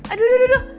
aduh aduh aduh